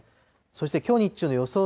そしてきょう日中の予想